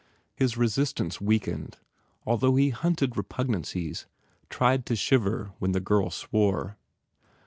His resistance weakened although he hunted repugnances, tried to shiver when the girl swore.